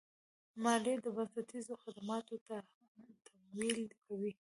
مالیه د بنسټیزو خدماتو تمویل کوي.